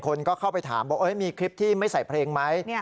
คนก็เข้าไปถามบอกมีคลิปที่ไม่ใส่เพลงไหม